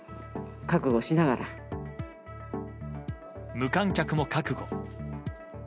無観客も覚悟。